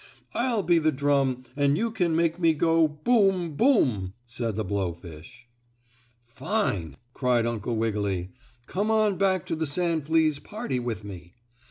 "I'll be the drum and you can make me go 'Boom! Boom!'" said the blow fish. "Fine!" cried Uncle Wiggily. "Come on back to the sand fleas' party with me."